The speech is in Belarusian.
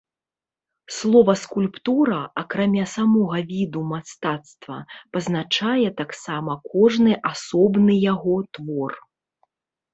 Слова скульптура, акрамя самога віду мастацтва, пазначае таксама кожны асобны яго твор.